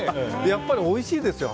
やっぱりおいしいですよ。